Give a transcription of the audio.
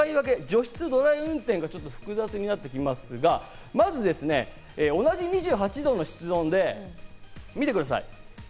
除湿ドライ運転が複雑になってきますが、まず同じ２８度の室温で見てください。